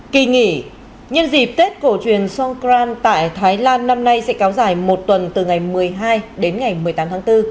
kỳ nghỉ nhân dịp tết cổ truyền sonkran tại thái lan năm nay sẽ kéo dài một tuần từ ngày một mươi hai đến ngày một mươi tám tháng bốn